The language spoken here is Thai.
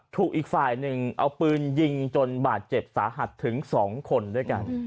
อีกฝ่ายหนึ่งเอาปืนยิงจนบาดเจ็บสาหัสถึง๒คนด้วยกัน